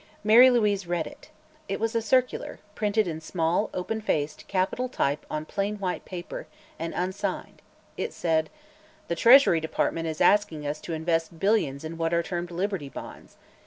Mary Louise read it. It was a circular, printed in small, open faced, capital type on plain white paper, and unsigned. It said: "The Treasury Department is asking us to invest billions in what are termed Liberty Bonds.